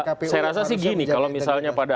saya rasa sih gini kalau misalnya pada